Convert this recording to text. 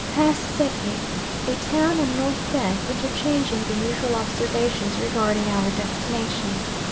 Pass Seke, a town on north bank, interchanging the usual observations regarding our destination.